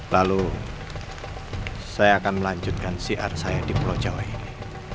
lalu saya akan melanjutkan syiar saya di pulau jawa ini